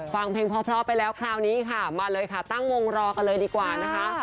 ฟังเพลงเพราะไปแล้วคราวนี้ค่ะมาเลยค่ะตั้งวงรอกันเลยดีกว่านะคะ